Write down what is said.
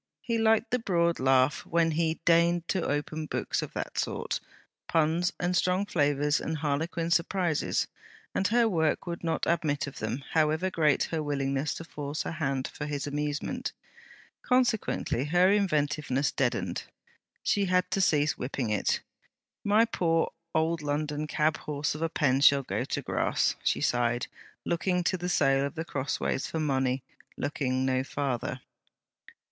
He liked the broad laugh when he deigned to open books of that sort; puns and strong flavours and harlequin surprises; and her work would not admit of them, however great her willingness to force her hand for his amusement: consequently her inventiveness deadened. She had to cease whipping it. 'My poor old London cabhorse of a pen shall go to grass!' she sighed, looking to the sale of The Crossways for money; looking no farther.